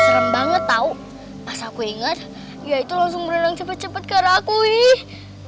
serem banget tau pas aku inget ya itu langsung berenang cepat cepat ke arah aku nih